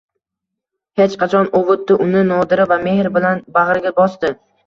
Hech qachon, ovutdi uni Nodira va mehr bilan bag`riga bosdi